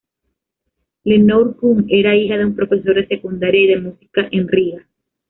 Lenore Kühn era hija de un profesor de secundaria y de música en Riga.